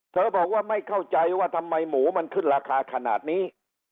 บอกว่าไม่เข้าใจว่าทำไมหมูมันขึ้นราคาขนาดนี้